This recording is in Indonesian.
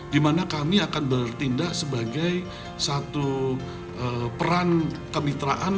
di mana kami akan bertindak sebagai satu peran kemitraan